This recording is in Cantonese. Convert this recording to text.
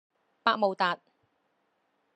百慕達